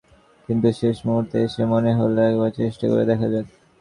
কিন্তু শেষ মুহূর্তে এসে মনে হলো, একবার চেষ্টা করে দেখা যাক।